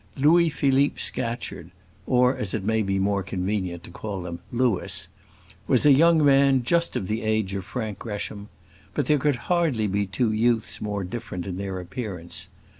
Louis Philippe Scatcherd or as it may be more convenient to call him, Louis was a young man just of the age of Frank Gresham. But there could hardly be two youths more different in their appearance.